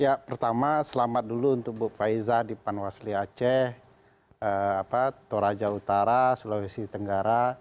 ya pertama selamat dulu untuk bu faiza di panwasli aceh toraja utara sulawesi tenggara